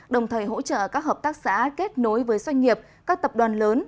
đồng thời hỗ trợ các hợp tác xã kết nối với doanh nghiệp các tập đoàn lớn